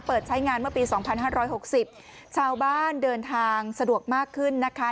เปิดใช้งานเมื่อปีสองพันห้าร้อยหกสิบชาวบ้านเดินทางสะดวกมากขึ้นนะคะ